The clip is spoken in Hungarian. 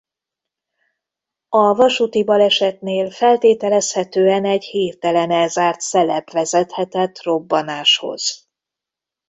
A vasúti balesetnél feltételezhetően egy hirtelen elzárt szelep vezethetett robbanáshoz.